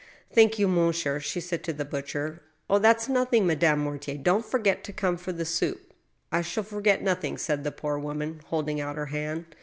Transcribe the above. " Thank, you, monsieur," she said to the butcher. " Oh, that's nothing, Madame Mortier. Don't forget to come for the soup." " I shall forget nothing," said the poor woman, holding out her hand.